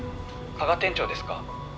加賀店長ですか？